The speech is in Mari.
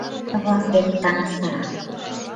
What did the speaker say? Моло кавалер-влак дене таҥастара.